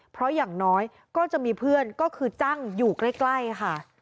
เพราะอย่างน้อยก็จะมีเพื่อนก็คือจังอยู่ใกล้ค่ะ